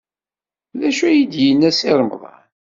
D acu ay d-yenna Si Remḍan?